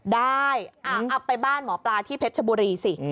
ได้เอาไปบ้านหมอปลาที่เพชรชบุรีสิ